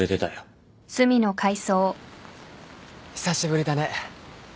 久しぶりだね。